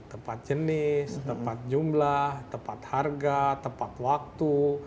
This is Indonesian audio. tepat jenis tepat jumlah tepat harga tepat waktu